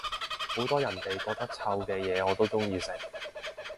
好多人哋覺得臭嘅嘢我都鍾意食